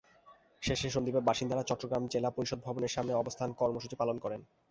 শেষে সন্দ্বীপের বাসিন্দারা চট্টগ্রাম জেলা পরিষদ ভবনের সামনে অবস্থান কর্মসূচি পালন করেন।